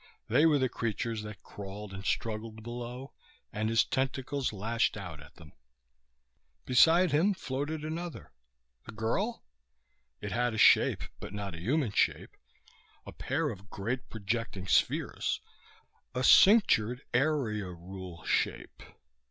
They were the creatures that crawled and struggled below, and his tentacles lashed out at them. Beside him floated another. The girl? It had a shape, but not a human shape a pair of great projecting spheres, a cinctured area rule shape.